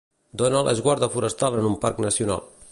Donald és guarda forestal en un parc nacional.